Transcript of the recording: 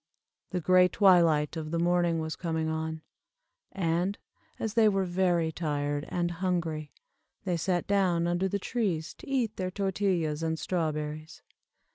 The gray twilight of the morning was coming on, and, as they were very tired and hungry, they sat down under the trees to eat their tortillas and strawberries.